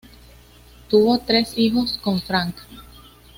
Tuvo tres hijos con Frank.